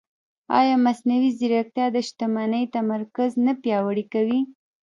ایا مصنوعي ځیرکتیا د شتمنۍ تمرکز نه پیاوړی کوي؟